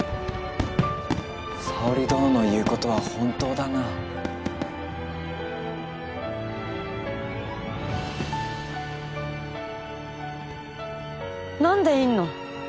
沙織殿の言うことは本当だな。何でいんの！？